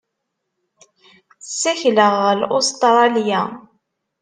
Ssakleɣ ɣer Ustṛalya.